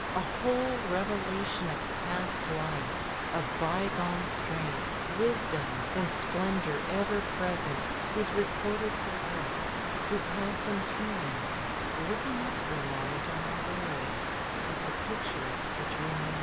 A whole revelation of past life, of bygone strength, wisdom, and splendour ever present is recorded for us who pass in turn looking up for a moment on our way at the pictures which remain.